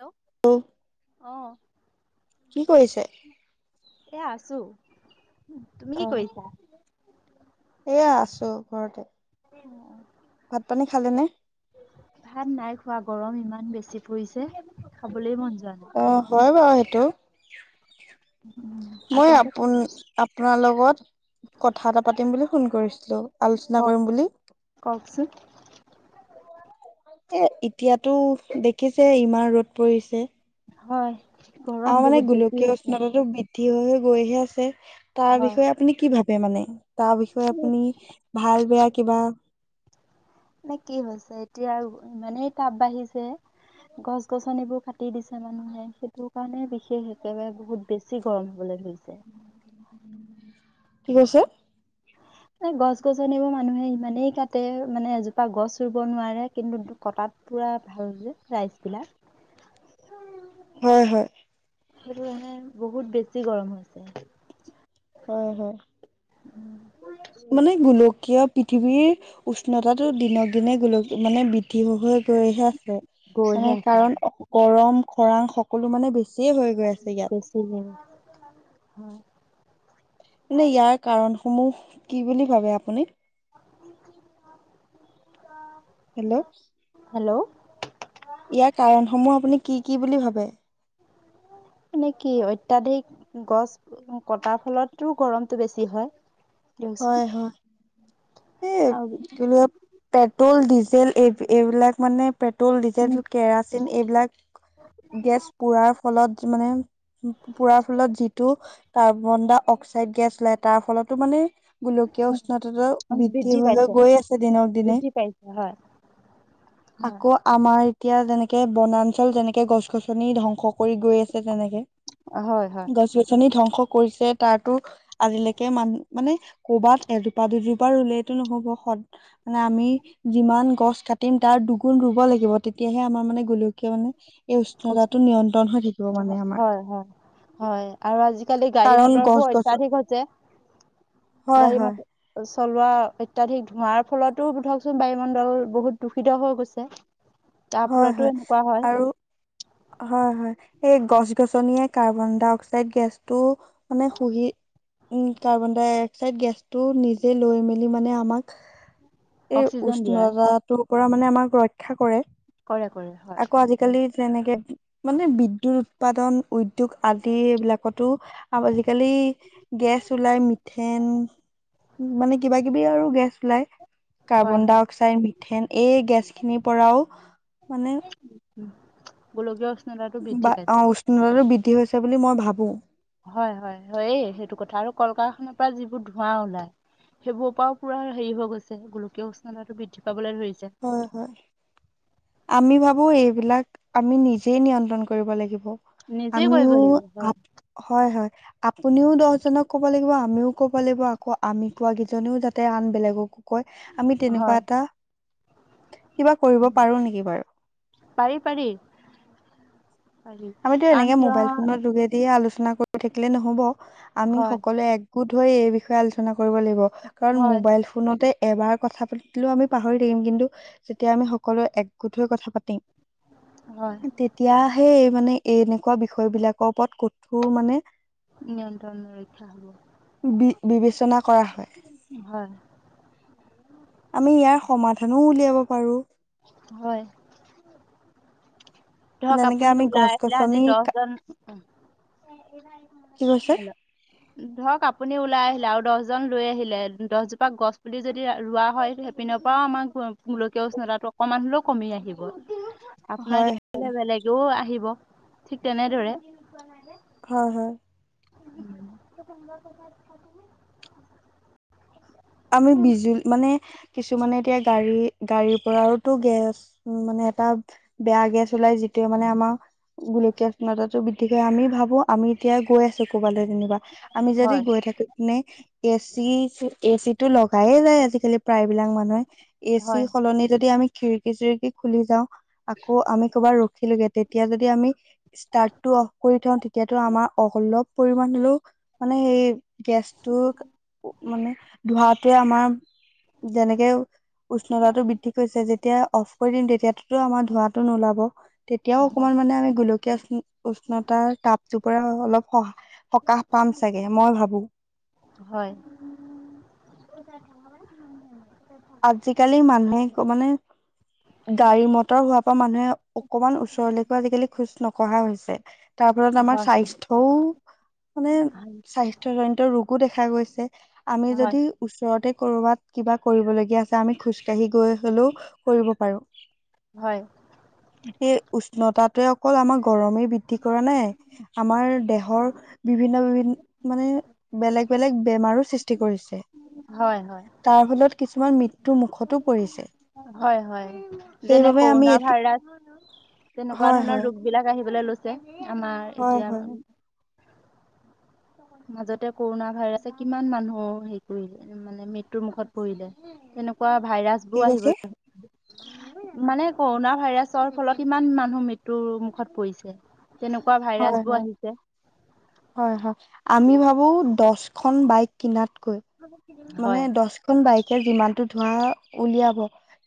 Hello অ অহ' কি কৰিছে? এ আছো তুমি অ কি কৰিছা? এয়া আছো ঘৰতে। উম অহ ভাত পানী খালে নে? ভাত নাই খোৱা গৰম ইমান বেছি পৰিছে খাবলৈ মন যোৱা নাই। অ' হয় বাৰু সেইটো মই আপোনালোকে আপোনা আপোনাৰ লগত কথা এটা পাতিম বুলি ফোন কৰিছিলোঁ আলোচনা কৰিম বুলি কওক চোন এই এতিয়াতো দেখিছে ইমান ৰ'দ পৰিছে। হয়। গৰম আমাৰ মানে বহুত বেছি গোলকীয় হৈছে উষ্ণতাটো বৃদ্ বৃদ্ধি হৈ হৈ গৈহে আছে, তাৰ হয়। বিষয়ে আপুনি কি ভাবে মানে? তাৰ বিষয়ে আপুনি ভাল বেয়া কিবা নে কি হৈছে, এতিয়া আৰু ইমানেই টাপ বাঢ়িছে গছ গছনিবোৰ কাটি দিছে মানুহে, সেইটো কাৰণে বিশেষ একেবাৰে বহুত বেছি গৰম হবলৈ ধৰিছে। কি কৈছে? এই গছ-গছনিবোৰ মানুহে ইমানেই কাটে মানে এজোপা গছ ৰুব নোৱাৰে কিন্তু কটাত পোৰা ভাল যে ৰাইজ বিলাক। [inaudible] [inaudible] হয় হয়। সেইটো কাৰনে বহুত বেছি গৰম হৈছে! হয় হয় মানে গোলকীয় পৃথিৱীৰ উষ্ণতাটো দিনক দিনে গোলক মানে বৃদ্ধি হৈ হৈ গৈহে আছে। গৈহে মানে আছে কাৰণ গৰম, খৰাং সকলো মানে বেছিয়ে হৈ গৈ আছে ইয়াত। উম হম হয়। মানে ইয়াৰ কাৰণসমূহ কি বুলি ভাবে আপুনি? [inaudible] হেল্ল? হেল্ল! ইয়াৰ কাৰণসমূহ আপুনি কি কি বুলি ভাবে? মানে কি অত্যাধিক গছ কটাৰ ফলততো গৰমটো বেছি হয়! দিয়কচোন হয় হয় এই আৰু কি বোলে পেট্ৰল ডিজেল এই এইবিলাক মানে পেট্ৰ'ল, ডিজেল, কেৰাচিন এইবিলাক গেছ পুৰাৰ ফলত মানে পুৰাৰ ফলত যিটো কাৰ্বন দা অক্সাইড গেছ ওলায়, তাৰ ফলতো মানে গোলকীয় উষ্ণতাটো বৃদ্ধি হৈ হৈ গৈ আছে দিনক দিনে। বৃদ্ধি পাইছে হয় [inaudible] আকৌ আমাৰ এতিয়া যেনেকে বনাঞ্চল যেনেকে গছ গছনি ধ্বংস কৰি গৈ আছে তেনেকে। হয় গছ গছনি ধ্বংস কৰিছে তাৰতো আজিলৈকে মান মানে কৰ'বাত এজোপা-দুজোপা ৰুলেটো নহ'ব, সদ মানে আমি যিমান গছ কাটিম তাৰ দুগুণ ৰুব লাগিব তেতিয়াহে আমাৰ মানে গোলকীয়া মানে এই উষ্ণতাটো নিয়ন্ত্ৰণ হৈ থাকিব মানে আমাৰ। হয় হয় হয় আৰু আজিকালি কাৰণ গাড়ী-মটৰ গছ বোৰ গছ অত্যাধিক হৈছে। হয় হয় গাড়ী-মটৰ চলোৱা অত্যাধিক ধোঁৱাৰ ফলতো ধৰকচোন বায়ুমণ্ডল বহুত দূষিত হৈ গৈছে। তাৰ হয় ফলতো হয় এনেকুৱা হয়। আৰু হয় হয়, এই গছ গছনিয়ে কাৰ্বন-ডাই-অক্সাইড গেছ টো মানে শুহি, উম কাৰ্বন ডাই অক্সাইড গেছ টো নিজে লৈ মেলি মানে আমাক এই অক্সিজেন দিয়া উষ্ণতা টোৰ পৰা মানে আমাক ৰক্ষা কৰে। কৰে কৰে আকৌ হয়। আজিকালি যেনেকে মানে বিদ্যুৎ উৎপাদন, উদ্যোগ আদি এইবিলাক ক'তো আৰু আজিকালি গেছ ওলাই মিথেন মানে কিবা কিবি আৰু গেছ ওলাই। হয় হয় কাৰ্বন-ডাই-অক্সাইড, মিথেন, এই গেছ খিনিৰ পৰাওঁ, মানে গোলকীয় উষ্ণতাটো বা বৃদ্ধি পাইছে। [unintelligible] বৃদ্ধি হৈছে বুলি, মই ভাৱোঁ। হয়, হয়! হয়েই সেইটো কথা। আৰু কল- কাৰখানাৰ পৰা যিবোৰ ধোঁৱা ওলাই। সেইবোৰৰ পৰাও, পূৰা সেৰি হৈ গৈছে। গোলকীয় উষ্ণতাটো বৃদ্ধি পাবলৈ ধৰিছে। হয়, হয়! আমি ভাৱোঁ এইবিলাক, আমি নিজে নিয়ন্ত্ৰণ কৰিব লাগিব। নিজেই কৰিব আমিও, লাগিব হয় [unintelligible] হয়, হয়। আপুনিও দহজনক ক'ব লাগিব, আমিও ক'ব লাগিব। আকৌ আমি কোৱা কেইজনেও যাতে, আন বেলেগক কয়, আমি তেনেকুৱা হয় এটা কিবা কৰিব পাৰোঁ নেকি বাৰু? পাৰি-পাৰি। আমিতো এনেকে, মোবাইল ফোনৰ যোগেদিয়ে আলোচনা কৰি কৰি থাকিলে নহ'ব, আমি হয় সকলোৱে একগোট হৈ, এই বিষয়ে আলোচনা কৰিব লাগিব। কাৰণ, হয় মোবাইল ফোনতে এবাৰ কথা পাতিলেও, আমি পাহৰি থাকিম। কিন্তু, যেতিয়া আমি সকলোৱে, এক গোট হৈ কথা পাতিম। হয়! তেতিয়াহে, এই মানে, এনেকুৱা বিষয় বিলাকৰ ওপৰত কঠোৰ মানে, নিয়ন্ত্ৰণ ৰক্ষা হ'ব বি-বিবেচনা কৰা হয়। হয়। আমি ইয়াৰ সমাধানো উলিয়াব পাৰোঁ। হয়। ধৰক যেনেকে আপুনি আমি গছ ওলাই আহিলে, আজি গছনি কি দহজন। কৈছে হেল্ল'? ধৰক, আপুনি ওলাই আহিলে আৰু দহজন লৈ আহিলে। দহজোপা গছ পুলি ৰোৱা হয়। সে সেইপিনৰ পৰাও আমাৰ, গোলকীয় উষ্ণতাটো অকমান হ'লেও, কমি আহিব। আপোনাক হয় দেখিলে, বেলেগেও আহিব, ঠিক তেনেদৰে। হয়, হয়। [unintelligible] আমি বিজু, মানে, কিছুমানে এতিয়া, গাড়ী-গাড়ীৰ পৰাওতো গেছ উম, মানে এটা, বেয়া গেছ ওলাই, যিটোৱে মানে আমাৰ, গোলকীয় উষ্ণতাটো বৃ গতিকে, আমি ভাবোঁ! আমি এতিয়া গৈ আছোঁ ক'ৰবালে যেনিবা, আমি যদি হয় গৈ থাকোঁ, নে এচি, এচিটো লগায়ে যায়, আজিকালি প্ৰায়বিলাক মানুহে। এচিৰ হয় সলনি যদি, আমি খিৰকি-চিৰিকি খুলি যাওঁ। আকৌ আমি, ক'ৰবাত ৰখিলোগে। তেতিয়া যদি আমি, ষ্টাৰ্টটো অফ কৰি থওঁ, তেতিয়াটো আমাৰ অলপ, পৰিমাণ হ'লেও। মানে এই, গেছটো, মানে, ধোৱাটোৱে আমাৰ যেনেকে উষ্ণতাটো বৃদ্ধি কৰিছে। যেতিয়া, অফ কৰি [unintelligible] তেতিয়া, তো আমাৰ ধোঁৱাটো নোলাব। তেতিয়াও অকমান হয় মানে, আমি গোলকীয়া [unintelligible] উষ্ণতাৰ তাপ তোৰ পৰা অলপ, স-সকাহ পাম চাগে, মই ভাবোঁ! হয়! আজিকালি, মানুহে ক মানে, গাড়ী-মটৰ হোৱাৰ পৰা মানুহে, অকমান ওচৰলৈকে, আজিকালি খোজ নকঢ়া হৈছে। তাৰ ফলত আমাৰ হয় স্বাস্থ্যও মানে, স্বাস্থ্যজনিত ৰোগো দেখা গৈছে। আমি হয় যদি ওচৰতে ক'ৰবাত, কিবা কৰিবলৈ [unintelligible] আমি খোজকাঢ়ি গৈ হ'লেও কৰিব পাৰোঁ। হয়। এই উষ্ণতাটোৱে অকল আমাৰ গৰমেই বৃদ্ধি কৰে নে? আমাৰ দেহৰ বিভিন্ন বিভিন্ন মানে বেলেগ বেলেগ বেমাৰো সৃষ্টি কৰিছে। হয়, হয়। তাৰ ফলত কিছুমান মৃ হয়, হয়। যেনে সেইবাবে আমি কৰোণা এইটো ভাইৰাছ। তেনেকুৱা হয় ধৰনৰ হয় ৰোগ বিলাক আহিবলৈ লৈছে আমাৰ হয় এতিয়া। হয় মাজতে কৰোণা ভাইৰাছে কিমান মানুহ হেৰি কৰিলে মানে মৃত্যুৰ মুখত পৰিলে। তেনেকুৱা ভাইৰাছ কি বোৰ কৈছে? আহিবলৈ মানে কৰোণা ভাইৰাছৰ ফলত ইমান মানুহ মৃত্যুৰ মুখত পৰিছে। কেনেকুৱা হয় ভাইৰাছবোৰ হয় আহিছে। হয়, হয়। আমি ভাবোঁ দহখন বাইক কিনাতকৈ মানে হয় দহখন বাইকে যিমানতটো ধোৱা উলিয়াব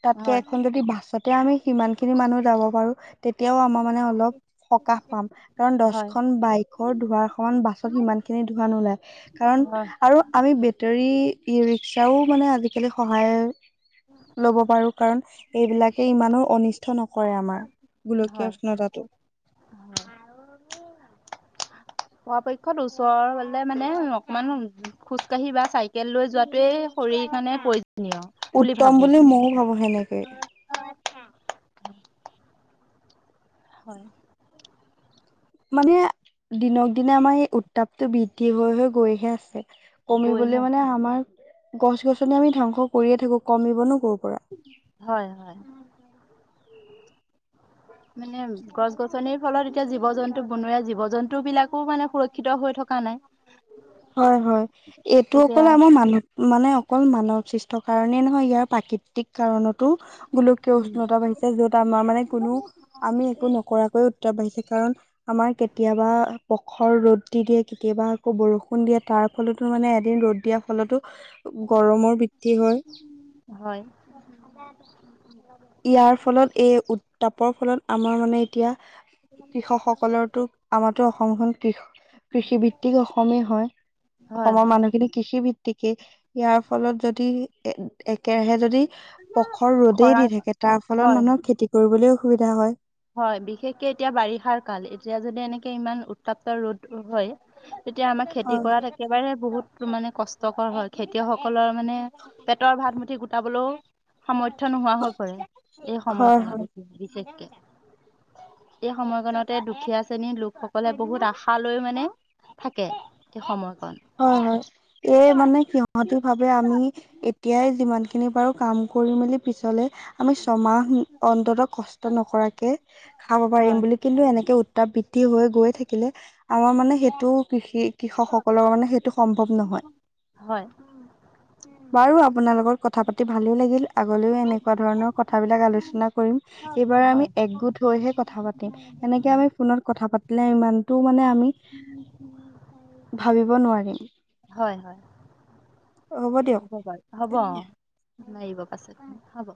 তাতকে হয় এখন যদি বাছত। তেতিয়া আমি কিমান খিনি মানুহ যাব পাৰোঁ। তেতিয়াও আমাৰ মানে অলপ সকাহ পাম কাৰণ হয় দহখনন বাইক। ঘৰ ধোৱাৰ সমান বাছত সিমান খিনি ধোৱা নোলায়। কাৰণ হয় আৰু আমি বেটেৰীৰ ই ৰিক্সাও মানে আজিকালি সহায়ৰ ল'ব পাৰোঁ। কাৰণ এইবিলাকে ইমানো অনিষ্ট নকৰে আমাৰ গোলকীয় হয় উষ্ণতাটো। পৰাপক্ষত ওচৰলে মানে অকমান খোজকাঢ়ি বা চাইকেল লৈ যোৱাটোৱেই পৰি মানে প্ৰয়োজনীয়। উত্তম বুলি মইয়ো ভাবোঁ সেনেকে। হয়। মানে দিনক দিনে আমাৰ এই উত্তাপ টো বৃদ্ধি হৈ হৈ গৈহে আছে। গৈহে কমিবলৈ আছে মানে আমাৰ গছ গছনি আমি ধ্বংস কৰিয়ে থাকোঁ কমিব নো ক'ৰ পৰা। হয়, হয়। [unintelligible] মানে গছ গছনিৰ ফলত এতিয়া জীৱ জন্তু বনাই জীৱ জন্তু বিলাকো মানে সুৰক্ষিত ক্ষিত হৈ থকা নাই। হয়, হয়। এইটো এতিয়া অকল আমাৰ মানব মানে অকল মানৱ সৃষ্ট কাৰণেই নহয়। ইয়াৰ প্ৰাকৃতিক কাৰণতো। গোলকীয় উম উষ্ণতা বাঢ়িছে য'ত আমাৰ মানে কোনো আমি একো নকৰাকৈ। বাঢ়িছে কাৰণ আমাৰ কেতিয়াবা পখৰ ৰ'দ দি দিয়ে কেতিয়াবা আকৌ বৰষুণ। দিয়া তাৰ ফলতো মানে এদিন ৰ'দ দিয়া ফলতো গৰমৰ বৃদ্ধি হয়। হয়। ইয়াৰ ফলত এই উত্তাপৰ ফলত আমাৰ মানে এতিয়া। কৃষকসকলৰতো আমাৰটো অসমখন কৃষ কৃষি ভিত্তিক অসমেই হয়। হয় অসমৰ হয় মানুহখিনি কৃষি ভিত্ত গতিকে, ইয়াৰ ফলত যদি এ একেৰাহে যদি পখৰ ৰ'দেই দি খৰাং থাকে। তাৰ ফলত হয় মানুহৰ খেতি কৰিবলৈ অসুবিধা হয়। হয়, বিশেষকে এতিয়া বাৰিষাৰ কাল এতিয়া যদি এনেকে ইমান উত্তাপ্ত ৰ'দ হয়। তেতিয়া আমাৰ খেতি হয় কৰাত একেবাৰে বহুত মানে কষ্টকৰ হয়। খেতিয়কসকলৰ মানে পেটৰ ভাত মুঠি গোটাবলৈও সময় থ্য নোহোৱা হৈ পৰে। এই হয় হয় সময়খনত এই বিশেষকে। এই সময়কতে দুখীয়া শ্ৰেণীৰ লোকসকলে বহুত আশা লৈ মানে থাকে, এই সময়কণ। হয়, হয় এই মানে সিহতি ভাবে আমি এতিয়াই যিমান খিনি পাৰোঁ কাম কৰি মেলি পিছলে আমি ছমাহ অন্ততঃ কষ্ট নকৰাকে খাব পাৰিম হয় বুলি কিন্তু এনেকে উত্তাপ বৃদ্ধি হৈ গৈ থাকিলে আমাৰ মানে সেইটো কৃষি কৃষক [unintelligible] সেইটো সম্ভৱ নহয়। হয়। [inaudible] বাৰু আপোনাৰ লগত কথা পাতি ভালেই লাগিল আগলেও এনেকুৱা ধৰণৰ কথাবিলাক আলোচনা এইবাৰ আমি হয় একগোট হৈহে কথা পাতিম এনেকে আমি ফোনত কথা পা [unintelligible] ইমানটো মানে আমি উম উম [unintelligible] ভাবিব নোৱাৰিম। হয়, হয় হ'ব বাৰু হ'ব অ। [unintelligible] পাছত হ'ব।